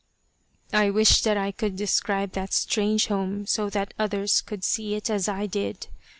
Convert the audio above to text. I wish that I could describe that strange home so that others could see it as I did.